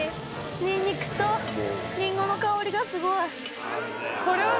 ニンニクとりんごの香りがすごい。